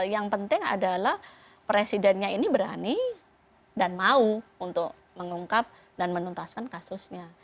yang penting adalah presidennya ini berani dan mau untuk mengungkap dan menuntaskan kasusnya